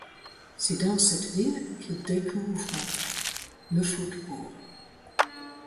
C'est dans cette ville qu'il découvre le football.